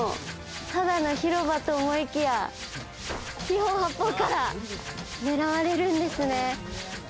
ただの広場と思いきや四方八方から狙われるんですね。